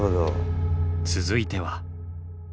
続いては。